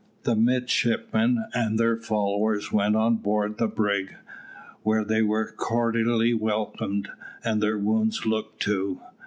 The midshipmen and their followers went on board the brig, where they were cordially welcomed, and their wounds looked to.